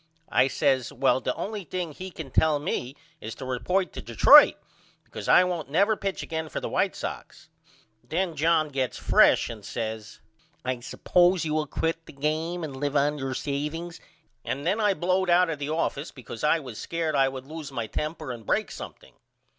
I says Well the only thing he can tell me is to report to Detroit because I won't never pitch again for the White Sox. Then John gets fresh and says I suppose you will quit the game and live on your saveings and then I blowed out of the office because I was scared I would loose my temper and break something.